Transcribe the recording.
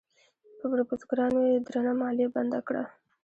پر بزګرانو یې درنه مالیه بنده کړه.